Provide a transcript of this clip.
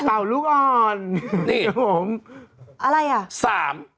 ต่อลูกอ่อนนี่ผมอะไรอ่ะ๓